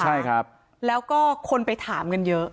ใช่ครับแล้วก็คนไปถามกันเยอะ